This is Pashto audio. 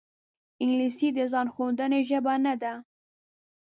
انګلیسي د ځان ښودنې ژبه نه ده